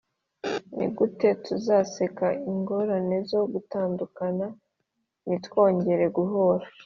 nigute tuzaseka ingorane zo gutandukana nitwongera guhura!